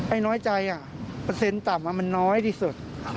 น้อยใจเปอร์เซ็นต์ต่ำมันน้อยที่สุด